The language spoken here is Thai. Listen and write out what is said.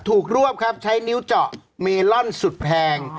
รวบครับใช้นิ้วเจาะเมลอนสุดแพง